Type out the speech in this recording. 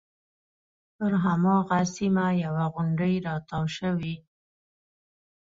پر هماغه سیمه یوه غونډۍ راتاو شوې.